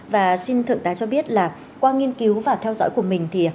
và xin thượng tá cho biết là qua nghiên cứu và theo dõi của mình thì